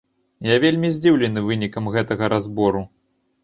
Я вельмі здзіўлены вынікам гэтага разбору.